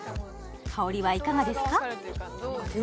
香りはいかがですか？